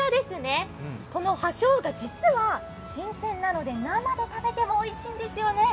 この葉しょうが、新鮮なので実は生で食べてもおいしいんですよね。